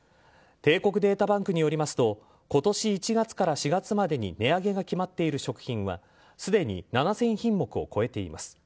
帝国データバンクによりますと今年１月から４月までに値上げが決まっている食品はすでに７０００品目を超えています。